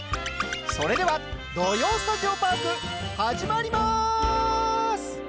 それでは「土曜スタジオパーク」始まりまーす！